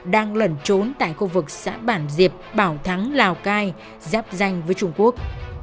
đang lẩn trốn tại khu vực xã bản diệp bảo thắng lào cai giáp danh với trung quốc